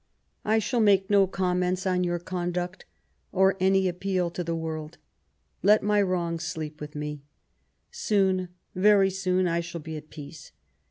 1 47 I shall make no comments on your condnct or any appeal to the "world. Let my wrongs sleep with me I Soon, very soon, I shall be at peace.